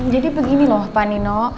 jadi begini loh pak nino